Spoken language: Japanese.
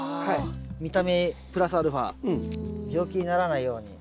見た目プラスアルファ病気にならないように。